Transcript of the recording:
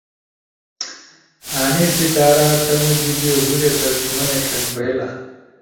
ا انیس کارتمو جیِبے ہورے ترجمہ ئی ݜک بئیلا۔